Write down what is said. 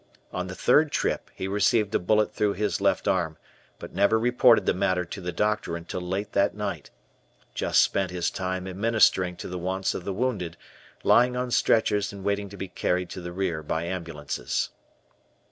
On the third trip he received a bullet through his left arm, but never reported the matter to the doctor until late that night just spent his time administering to the wants of the wounded lying on stretchers waiting to be carried to the rear by ambulances.